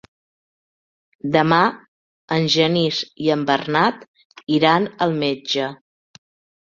Demà en Genís i en Bernat iran al metge.